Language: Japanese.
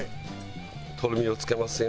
とろみをつけますよ。